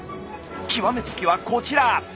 極め付きはこちら。